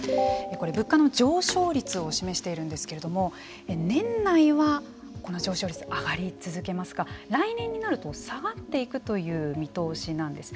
これ物価の上昇率を示しているんですけれども年内はこの上昇率上がり続けますが来年になると下がっていくという見通しなんです。